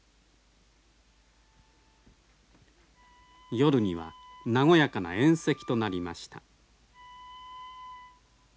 夜には和やかな宴席となりました。